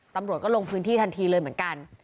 ตำรวจก็ลงพื้นที่ทันทีเลยเหมือนกัน